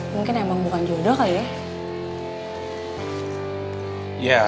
mungkin emang bukan jodoh kayaknya